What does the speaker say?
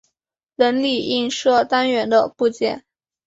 纹理映射单元的部件。